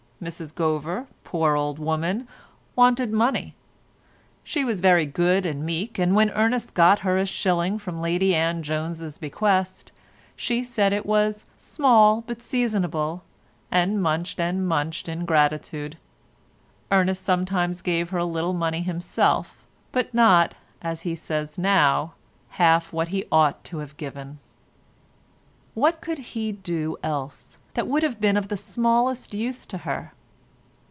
Mrs Gover, poor old woman, wanted money; she was very good and meek, and when Ernest got her a shilling from Lady Anne Jones's bequest, she said it was "small but seasonable," and munched and munched in gratitude. Ernest sometimes gave her a little money himself, but not, as he says now, half what he ought to have given. What could he do else that would have been of the smallest use to her?